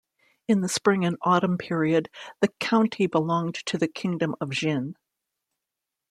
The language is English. In the Spring and Autumn period, the county belonged to the kingdom of Jin.